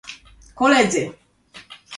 Koledzy